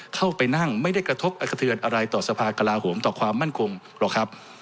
เข้าไปนั่งไม่ได้กระทบกระเทือนอะไรต่อสภากลาโหมต่อความมั่นคงหรอกครับ